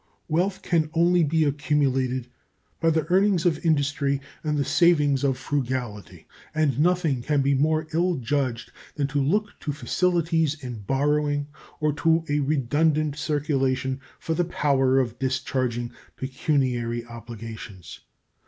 Wealth can only be accumulated by the earnings of industry and the savings of frugality, and nothing can be more ill judged than to look to facilities in borrowing or to a redundant circulation for the power of discharging pecuniary obligations.